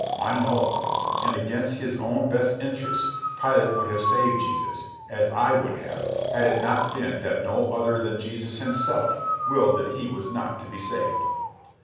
I know. And against his own best interests Pilate would have saved Jesus, as I would have, had it not been that no other than Jesus himself willed that he was not to be saved.